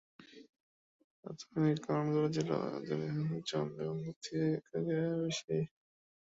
প্রাথমিক কারণগুলি ছিল এদের ওজন এবং প্রতি এককে ব্যয় বেশি।